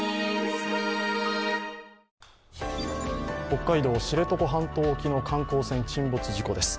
北海道知床半島沖の観光船沈没事故です。